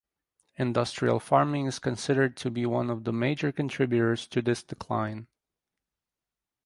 Industrial farming is considered to be one of the major contributors to this decline.